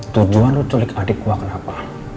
tujuan lu culik adik gua kenapa